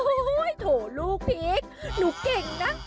โห้โห้โหโห้โหลูกพีชหนูเก่งนะ